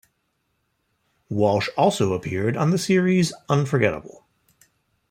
Walsh also appeared on the series "Unforgettable".